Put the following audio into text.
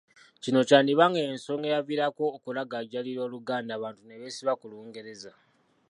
Kino kyandiba nga y’ensonga eyaviirako okulagajjalira Oluganda abantu ne beesiba ku Lungereza